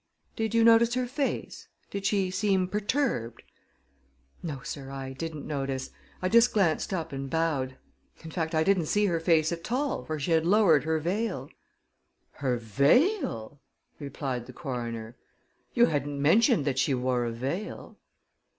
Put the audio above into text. "Did you notice her face? Did she seem perturbed?" "No, sir; I didn't notice. I just glanced up and bowed. In fact, I didn't see her face at all, for she had lowered her veil." "Her veil!" repeated the coroner. "You hadn't mentioned that she wore a veil."